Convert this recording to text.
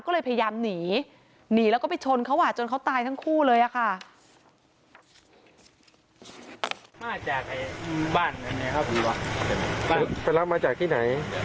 ก็เลยพยายามหนีหนีแล้วก็ไปชนเขาจนเขาตายทั้งคู่เลยอะค่ะ